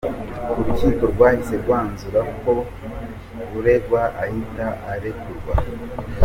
Urukiko rwahise rwanzura ko uregwa ahita arekurwa.